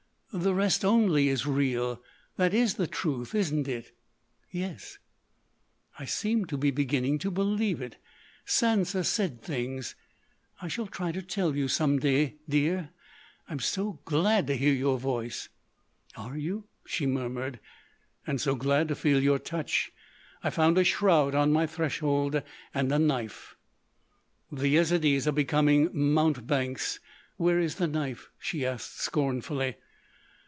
"The rest only is real. That is the truth, isn't it?" "Yes." "I seem to be beginning to believe it.... Sansa said things—I shall try to tell you—some day—dear.... I'm so glad to hear your voice." "Are you?" she murmured. "And so glad to feel your touch.... I found a shroud on my threshold. And a knife." "The Yezidees are becoming mountebanks.... Where is the knife?" she asked scornfully.